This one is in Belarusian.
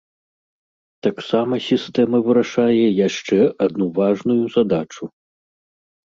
Таксама сістэма вырашае яшчэ адну важную задачу.